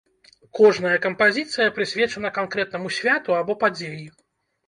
Кожная кампазіцыя прысвечана канкрэтнаму святу або падзеі.